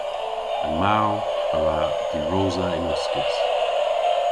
An maw a wra diwrosa yn uskis.